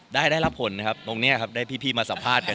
แต่คลิปถูกภายะในเป็นหลายรายการ